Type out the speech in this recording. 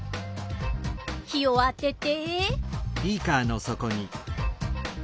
火をあてて。